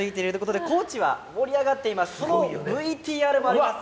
そのＶＴＲもあります。